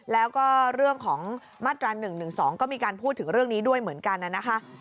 แล้วก็เรื่องของมาตรา๑๑๒ก็มีการพูดถึงเรื่องนี้ด้วยเหมือนกันนะคะ